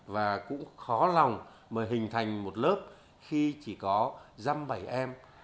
và cũng khó lòng mà hình thành một lớp khi chỉ có răm bảy em